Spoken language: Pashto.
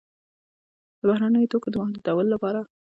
د بهرنیو توکو د محدودولو لپاره.